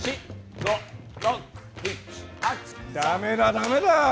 ダメだダメだ。